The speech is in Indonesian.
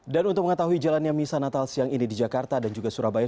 dan untuk mengetahui jalannya misa natal siang ini di jakarta dan juga surabaya